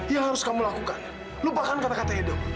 yang harus kamu lakukan lupakan kata kata edo